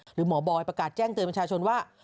หรือหมอบอยประกาศแจ้งเตือนประชาชนว่า